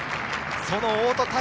その大戸